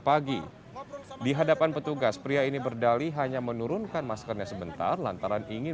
pagi di hadapan petugas pria ini berdali hanya menurunkan maskernya sebentar lantaran ingin